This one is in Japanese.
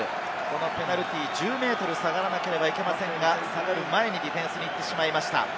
ペナルティー、１０ｍ下がらなければいけませんが、下がる前にディフェンスに行ってしまいました。